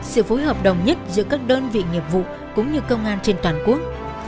sự phối hợp đồng nhất giữa các đơn vị nghiệp vụ cũng như công an trên toàn quốc